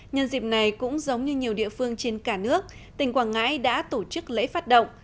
nhân dịp này cũng giống như nhiều địa phương trên cả nước tỉnh quảng ngãi đã tổ chức lễ phát động